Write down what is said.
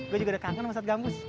gua juga udah kangen sama ustadz gambus